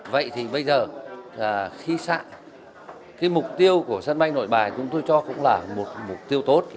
vậy thì bây giờ là khi xạ cái mục tiêu của sân bay nội bài chúng tôi cho cũng là một mục tiêu tốt